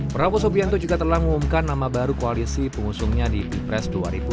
prabowo subianto juga telah mengumumkan nama baru koalisi pengusungnya di pilpres dua ribu dua puluh